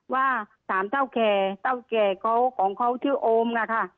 ว่าถามเจ้าแกเจ้าแกของเขาชื่อโอมล่ะค่ะ